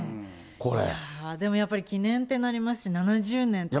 でもやっぱり記念ってなりますし、７０年って。